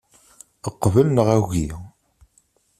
Qbel neɣ agi.